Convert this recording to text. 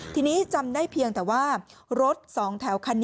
ทีนี้จำได้เพียงแต่ว่ารถสองแถวคันนี้